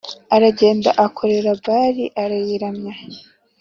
aragenda akorera Bāli arayiramya